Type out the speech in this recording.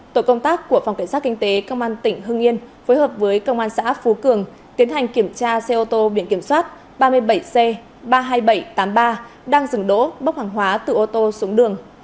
tổ công tác của phòng cảnh sát kinh tế công an tỉnh hưng yên phối hợp với công an xã phú cường tiến hành kiểm tra xe ô tô biển kiểm soát ba mươi bảy c ba mươi hai nghìn bảy trăm tám mươi ba đang dừng đỗ bốc hàng hóa từ ô tô xuống đường